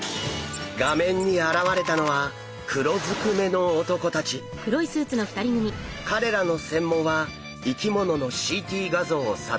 画面に現れたのは彼らの専門は生き物のＣＴ画像を撮影すること。